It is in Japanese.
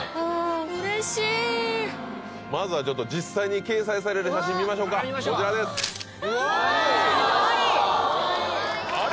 うれしいまずはちょっと実際に掲載される写真見ましょかこちらですわおかわいいあれ？